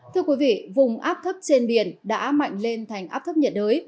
thưa quý vị vùng áp thấp trên biển đã mạnh lên thành áp thấp nhiệt đới